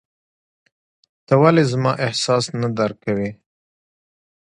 ته ولي زما احساس نه درکوې !